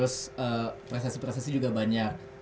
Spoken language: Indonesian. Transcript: susi alan juara terus presesi presesi juga banyak ya